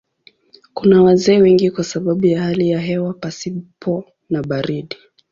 Kuna wazee wengi kwa sababu ya hali ya hewa pasipo na baridi.